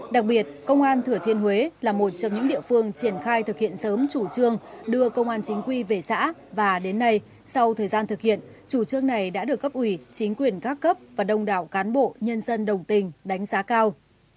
đặc biệt công an thừa thiên huế là một trong những địa phương triển khai thực hiện sớm chủ trương đưa công an chính quy về xã và đến nay sau thời gian thực hiện chủ trương này đã được cấp ủy chính quyền các cấp và đông đảo cán bộ nhân dân đồng tình đánh giá cao